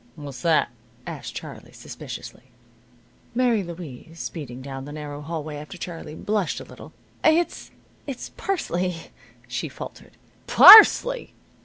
"What's that?" asked Charlie, suspiciously. Mary Louise, speeding down the narrow hallway after Charlie, blushed a little. "It it's parsley," she faltered. "Parsley!"